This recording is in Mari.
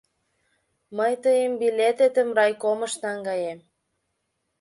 Мый тыйын билететым райкомыш наҥгаем.